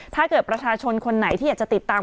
ถ้าเกิดประชาชนคนไหนที่อยากจะติดตาม